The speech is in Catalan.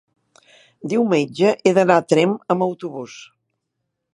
diumenge he d'anar a Tremp amb autobús.